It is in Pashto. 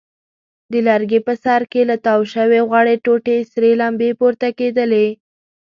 د لرګي په سر کې له تاو شوې غوړې ټوټې سرې لمبې پورته کېدلې.